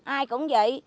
ai cũng vậy